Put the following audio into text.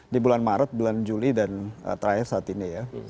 di bulan maret bulan juli dan terakhir saat ini ya